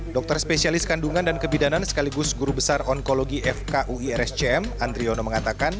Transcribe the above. dokter spesialis kandungan dan kebidanan sekaligus guru besar onkologi fkuirscm andriono mengatakan